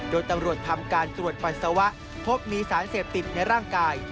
โดยตำรวจทำการตรวจปัสสาวะพบมีสารเสพติดในร่างกาย